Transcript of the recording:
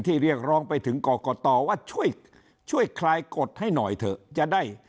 ที่เรียกลองไปถึงกรตว่าช่วยคลายกฎให้หน่อยเถอะ